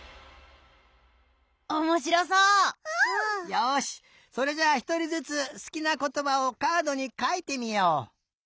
よしそれじゃあひとりずつすきなことばをカードにかいてみよう。